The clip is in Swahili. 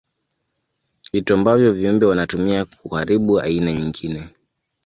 Vitu ambavyo viumbe wanatumia kuharibu aina nyingine.